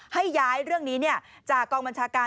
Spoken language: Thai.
ที่ย้ายเรื่องนี้เนี่ยจากกองบัญชาการ